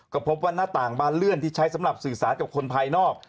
ก็พบว่าหน้าต่างบานเลื่อนที่ใช้สำหรับสื่อสารกับคนภายนอก